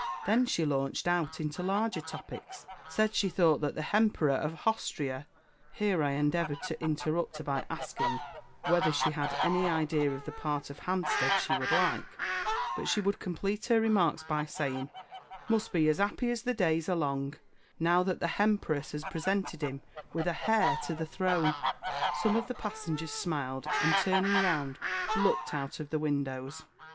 Then she launched out into larger topics said she thought that the _H_emperor of _H_austria (here I endeavoured to interrupt her by asking whether she had any idea of the part of Hampstead she would like; but she would complete her remarks by saying) must be as 'appy as the days are long, now that the _H_empress had presented him with a hare to the throne! (Some of the passengers smiled, and turning round, looked out of the windows.)